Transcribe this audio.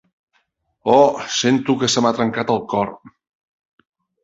"Oh, sento que se m'ha trencat el cor."